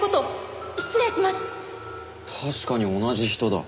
確かに同じ人だ。